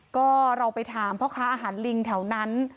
ก็เราไปถามพ่อค้าอาหารลิงแถวนั้น